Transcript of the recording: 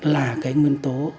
là cái nguyên tố